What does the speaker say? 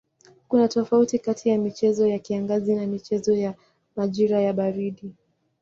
Kuna tofauti kati ya michezo ya kiangazi na michezo ya majira ya baridi.